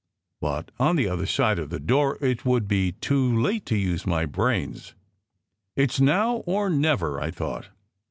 But on the other side of her door it would be too late to use my brains. "It s now or never!" I thought.